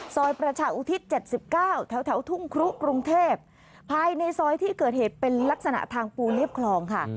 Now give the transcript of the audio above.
ซอยประชาอุทิศ๗๙แถวทุ่งครุกรุงเทพภายในซอยที่เกิดเหตุเป็นลักษณะทางปูเรียบคลองค่ะ